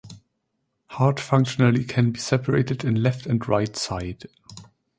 Heart functionally can be separated in left and right side.